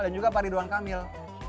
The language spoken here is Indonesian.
dan juga pak ridwan kamil